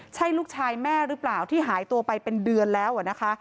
ใช่ลูกชายแม่หรือเปล่าที่หายตัวไปเป็นเดือนแล้วนะคะ